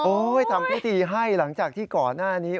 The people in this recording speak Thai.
ทำพิธีให้หลังจากที่ก่อนหน้านี้